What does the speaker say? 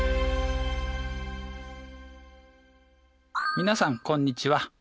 皆さんこんにちは。